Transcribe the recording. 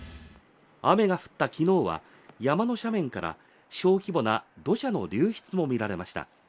雨が降った昨日は山の斜面から小規模な土砂の流出もみられました。